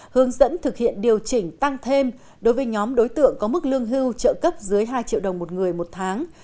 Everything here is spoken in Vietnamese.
hướng dẫn thực hiện điều chỉnh tăng thêm đối với nhóm đối tượng có mức lương hưu trợ cấp dưới hai triệu đồng một người một tháng